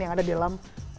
yang ada di dalam